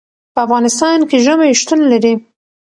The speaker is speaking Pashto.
په افغانستان کې ژمی شتون لري.